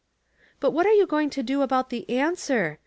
" But what are you going to do about the answer?